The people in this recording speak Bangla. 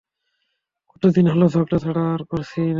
কতদিন হলো, ঝগড়া ছাড়া আর করছিই কী?